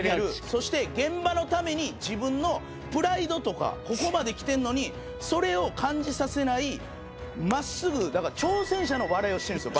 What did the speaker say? そして現場のために自分のプライドとかここまできてるのにそれを感じさせない真っすぐ挑戦者の笑いをしてるんですよ